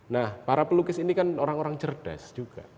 nah para pelukis ini kan orang orang cerdas juga